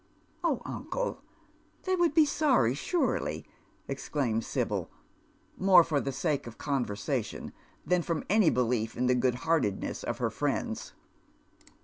" Oh, uncle ! they would be sorry, surely," exclaims Sibyl, more for the sake of conversation than from any belief in the good heartedness of her friends.